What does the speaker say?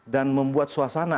dan membuat suasana